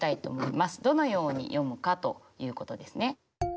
どのように読むかということですね。